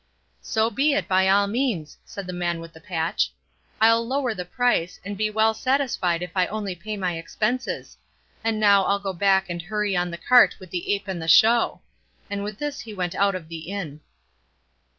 "So be it by all means," said the man with the patch; "I'll lower the price, and be well satisfied if I only pay my expenses; and now I'll go back and hurry on the cart with the ape and the show;" and with this he went out of the inn.